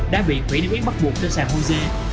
đã bị quỹ đề quyết bắt buộc trên sàn hosea